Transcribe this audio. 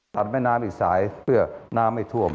แม่น้ำอีกสายเพื่อน้ำไม่ท่วม